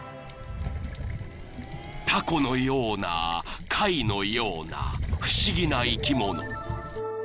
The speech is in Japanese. ［タコのような貝のような不思議な生き物］